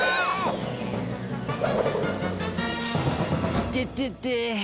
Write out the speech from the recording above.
いててて。